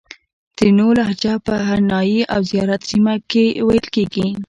ترینو لهجه په هرنایي او زیارت سیمه کښې ویل کیږي